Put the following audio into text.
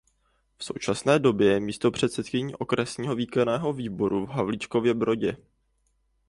V současné době je místopředsedkyní Okresního výkonného výboru v Havlíčkově Brodě.